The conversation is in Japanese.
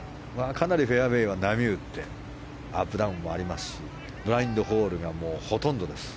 かなりフェアウェーは波打ってアップダウンもありますしブラインドホールがほとんどです。